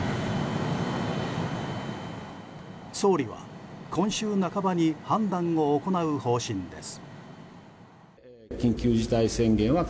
総理は、今週半ばに判断を行う方針です。